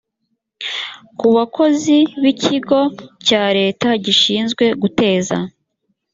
ku bakozi b ikigo cya leta gishinzwe guteza